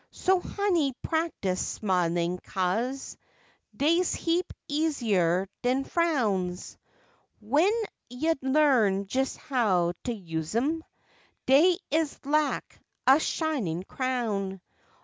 So honey, practice smilin', kase Deys heap easier den frowns, When yo learn jes' how t' use 'em, Dey is lak a shinin' crown.